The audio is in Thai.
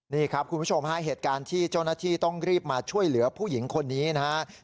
นี่ครับคุณผู้ชมฮะเหตุการณ์ที่เจ้าหน้าที่ต้องรีบมาช่วยเหลือผู้หญิงคนนี้นะครับ